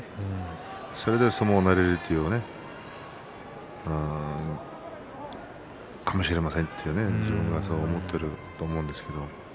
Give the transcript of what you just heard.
それで相撲になれるというねかもしれませんというねそう思っているかもしれないですけれど。